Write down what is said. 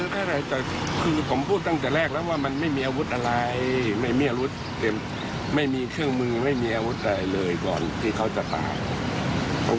แต่คือผมพูดตั้งแต่แรกแล้วว่ามันไม่มีอาวุธอะไรไม่มีอาวุธเต็มไม่มีเครื่องมือไม่มีอาวุธอะไรเลยก่อนที่เขาจะตาย